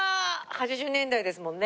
８０年代ですもんね。